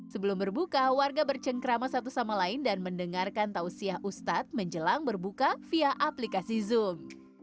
sebelum berbuka warga bercengkrama satu sama lain dan mendengarkan tausiah ustadz menjelang berbuka via aplikasi zoom